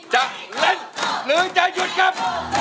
จะเล่นหรือจะหยุดครับ